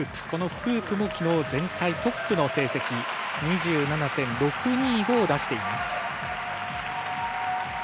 フープも昨日、全体トップの成績。２７．６２５を出しています。